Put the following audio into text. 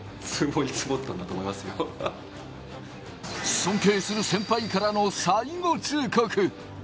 尊敬する先輩からの最後通告。